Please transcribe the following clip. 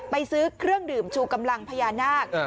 ซื้อเครื่องดื่มชูกำลังพญานาค